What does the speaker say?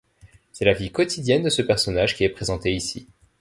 C'est la vie quotidienne de ce personnage qui est présentée ici.